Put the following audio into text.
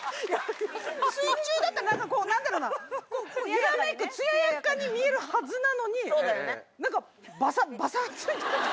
水中だったらなんかこう何だろうな揺らめくつややかに見えるはずなのになんかバサついて。